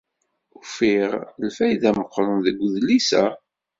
Ufiɣ lfayda meqqren deg udlis-a.